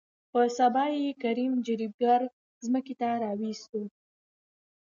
په سبا يې کريم جريب ګر ځمکې ته راوستو.